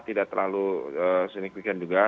tidak terlalu senik senik juga